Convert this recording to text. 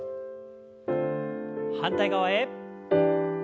反対側へ。